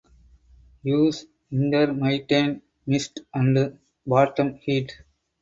Use intermittent mist and bottom heat.